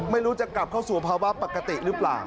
ไม่รู้จะกลับเข้าสู่ภาวะปกติหรือเปล่า